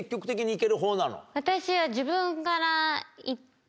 私は。